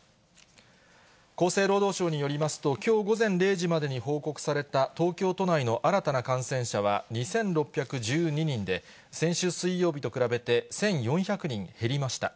厚生労働省によりますと、きょう午前０時までに報告された、東京都内の新たな感染者は２６１２人で、先週水曜日と比べて、１４００人減りました。